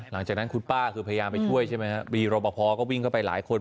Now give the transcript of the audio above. หลังจากนั้นคุณป้าคือพยายามไปช่วยใช่ไหมครับมีรบพอก็วิ่งเข้าไปหลายคน